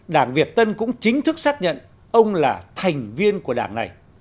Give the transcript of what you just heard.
đảng việt tân cũng chính thức xác nhận ông là thành viên của đảng này